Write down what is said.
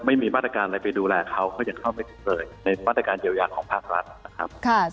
ในมาตรการเยียวยาของภาครัฐนะครับ